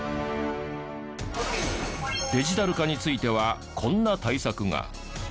デジタル化についてはこんな対策が。